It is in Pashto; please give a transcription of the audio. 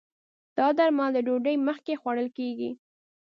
دا درمل د ډوډی مخکې خوړل کېږي